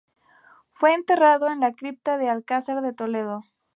Fue enterrado en la cripta del Alcázar de Toledo.